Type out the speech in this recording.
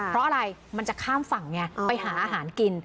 เพราะอะไรมันจะข้ามฝั่งไงไปหาอาหารกิน